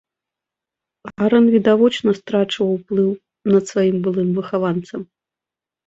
Арэн відавочна страчваў уплыў над сваім былым выхаванцам.